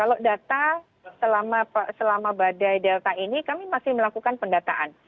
kalau data selama badai delta ini kami masih melakukan pendataan